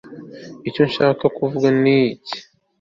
icyo nshaka kuvuga ni iki